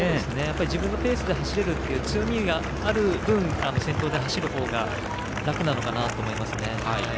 自分のペースで走れる強みがある分先頭で走る方が楽かなと思います。